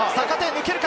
抜けるか？